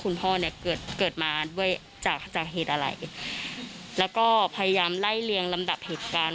คุณพ่อเนี่ยเกิดเกิดมาด้วยจากจากเหตุอะไรแล้วก็พยายามไล่เลียงลำดับเหตุการณ์